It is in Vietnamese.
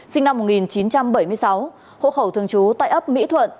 sinh năm một nghìn chín trăm bảy mươi sáu hộ khẩu thường trú tại ấp mỹ thuận